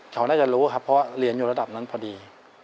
เขาน่าจะรู้ครับเพราะว่าเรียนอยู่ระดับนั้นพอดี